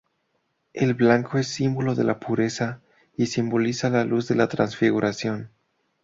El blanco es símbolo de la pureza y simboliza la luz de la Transfiguración.